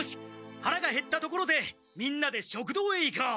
はらがへったところでみんなで食堂へ行こう！